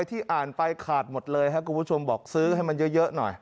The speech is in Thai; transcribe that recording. ที่อ่านไปขาดหมดเลยครับคุณผู้ชมบอกซื้อให้มันเยอะหน่อย